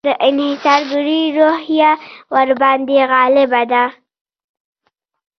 د انحصارګري روحیه ورباندې غالبه ده.